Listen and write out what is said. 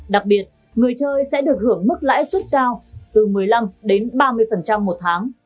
đặc biệt người chơi sẽ được hưởng mức lãi suất cao từ một mươi năm đến ba mươi một tháng